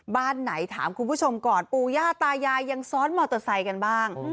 บ้านไหนถามคุณผู้ชมก่อนปูย่าตายายยังซ้อนมอเตอร์ไซค์กันบ้าง